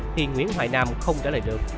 thì nguyễn hoài nam không trả lời được